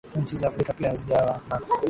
nchi za afrika pia hazijawa na